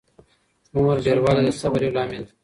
عمر ډېروالی د صبر یو لامل دی.